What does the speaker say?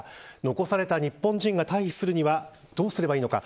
残された日本人が退避するにはどうすればいいのか。